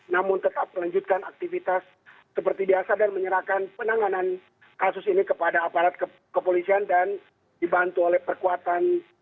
namun tetap melanjutkan aktivitas seperti biasa dan menyerahkan penanganan kasus ini kepada aparat kepolisian dan dibantu oleh perkuatan